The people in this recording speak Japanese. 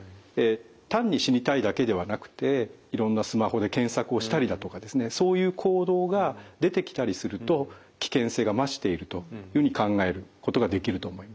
単に「死にたい」だけではなくていろんなスマホで検索をしたりだとかですねそういう行動が出てきたりすると危険性が増しているというふうに考えることができると思います。